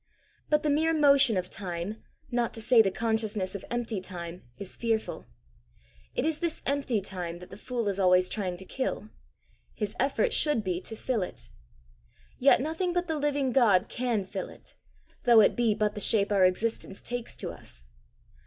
But the mere notion of time, not to say the consciousness of empty time, is fearful. It is this empty time that the fool is always trying to kill: his effort should be to fill it. Yet nothing but the living God can fill it though it be but the shape our existence takes to us.